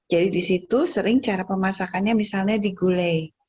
jadi disitu sering cara pemasakannya misalnya digulai